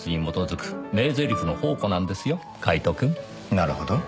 なるほど。